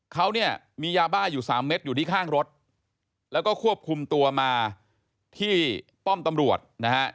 เขาเนี่ยมียาบ้าอยู่สามเม็ดอยู่ที่ข้างรถแล้วก็ควบคุมตัวมาที่ป้อมตำรวจนะฮะ